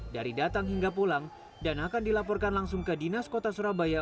dari datang hingga pulang dan akan dilaporkan langsung ke dinas kota surabaya